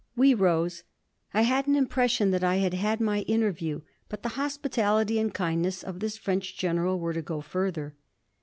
We rose. I had an impression that I had had my interview; but the hospitality and kindness of this French general were to go further.